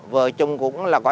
vợ chồng cũng là